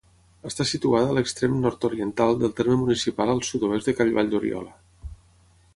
Està situada a l'extrem nord-oriental del terme municipal, al sud-oest de Cal Valldoriola.